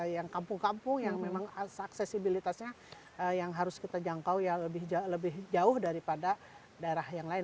yang kampung kampung yang memang aksesibilitasnya yang harus kita jangkau ya lebih jauh daripada daerah yang lain